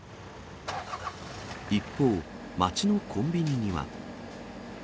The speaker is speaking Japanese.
一方、街のコンビニには。